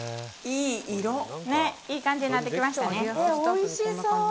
いい感じになってきましたね。